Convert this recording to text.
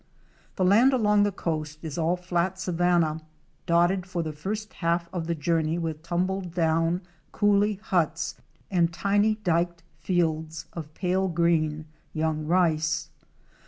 351 The land along the coast is all flat savanna, dotted for the first half of the journey with tumbled down coolie huts and tiny dyked fields of pale green young rice.